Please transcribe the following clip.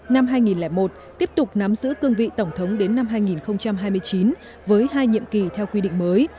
năm hai nghìn một tiếp tục nắm giữ cương vị tổng thống đến năm hai nghìn hai mươi chín với hai nhiệm kỳ theo quy định mới